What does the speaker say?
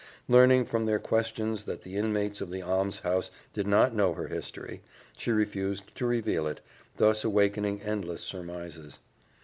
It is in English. Learning from their questions that the inmates of the almshouse did not know her history, she refused to reveal it, thus awakening endless surmises.